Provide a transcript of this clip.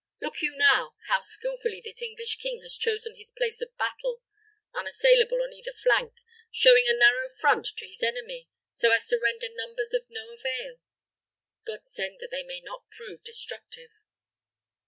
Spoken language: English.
Look you now, how skillfully this English king has chosen his place of battle, unassailable on either flank, showing a narrow front to his enemy, so as to render numbers of no avail. God send that they may not prove destructive."